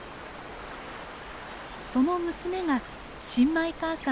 その娘が新米母さんのハナ。